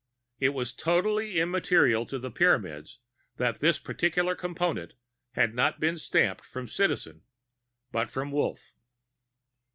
It was totally immaterial to the Pyramids that this particular Component had not been stamped from Citizen but from Wolf.